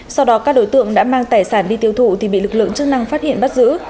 sau đó các đối tượng đã mang tài sản đi tiêu thụ thì bị lực lượng chức năng phát hiện bắt giữ